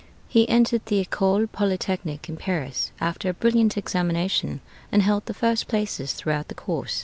He entered the École Polytechnique in Paris after a brilliant examination, and held the first places throughout the course.